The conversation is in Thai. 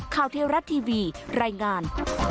ข่าวเที่ยวรัดทีวีรายงาน